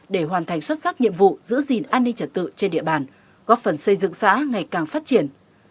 để hoàn thành xuất sắc nhiệm vụ giữ gìn an ninh trật tự trên địa bàn góp phần xây dựng xã ngày càng phát triển